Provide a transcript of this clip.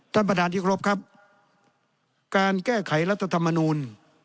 ท่านประธานที่ครบครับการแก้ไขรัฐธรรมนูล